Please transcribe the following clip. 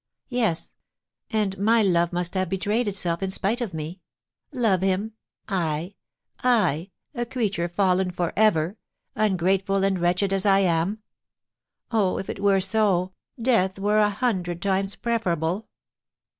Yes, and my love must have betrayed itself in spite of me! Love him, I I a creature fallen for ever, ungrateful and wretched as I am! Oh, if it were so, death were a hundred times preferable!"